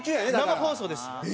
生放送です。